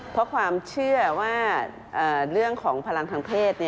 เพราะความเชื่อว่าเรื่องของพลังทางเพศ